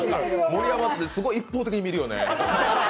盛山って、すごい一方的に見るよね。